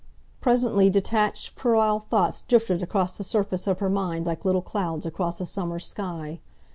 Presently detached, puerile thoughts drifted across the surface of her mind like little clouds across a summer sky.